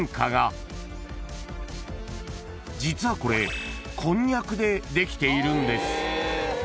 ［実はこれこんにゃくでできているんです］